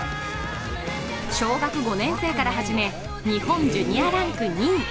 小学５年生から始め日本ジュニアランク２位。